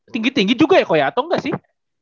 tinggi tinggi juga ya kuyatong gak sih